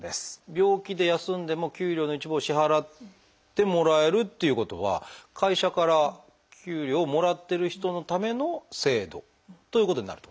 病気で休んでも給料の一部を支払ってもらえるっていうことは会社から給料をもらってる人のための制度ということになるってことですか？